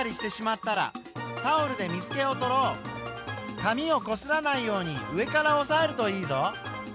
紙をこすらないように上からおさえるといいぞ。